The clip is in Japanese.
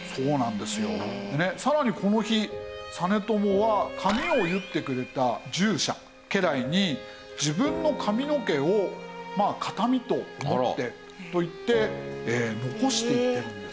でねさらにこの日実朝は髪を結ってくれた従者家来に自分の髪の毛を形見と思ってといって残していってるんですね。